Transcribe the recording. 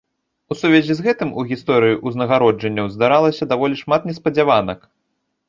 У сувязі з гэтым у гісторыі узнагароджанняў здаралася даволі шмат неспадзяванак.